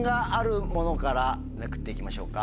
めくって行きましょうか。